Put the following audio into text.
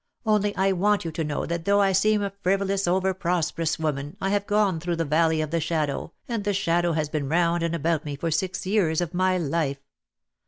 Only I want you to know that though I seem a frivolous over prosperous woman I have gone through the valley of the shadow, and the shadow has been round and about me for six years of my life."